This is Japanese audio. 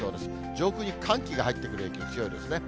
上空に寒気が入ってくる影響、強いですね。